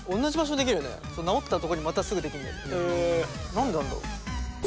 何でなんだろ。